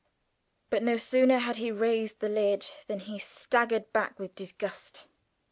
But no sooner had he raised the lid than he staggered back with disgust.